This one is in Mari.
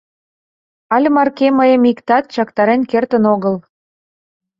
Але марке мыйым иктат чактарен кертын огыл.